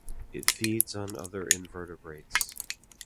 It feeds on other invertebrates.